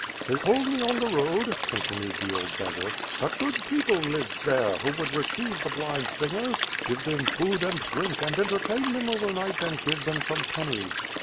"They told me on the road," contiued the old beggar, "that good people lived there, who would receive the blind singers, give them food and drink and entertain them over night and give them some pennies.